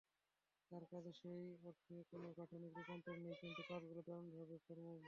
তাঁর কাজে সেই অর্থে কোনো গাঠনিক রূপান্তর নেই, কিন্তু কাজগুলো দারুণভাবে ফর্মবেইসড।